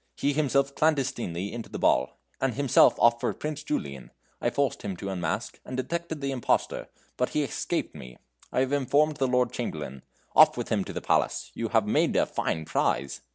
He himself clandestinely into the ball, and himself off for Prince Julian. I forced him to unmask, and detected the impostor, but he escaped me. I have informed the Lord Chamberlain; off with him to the palace! You have made a fine prize!"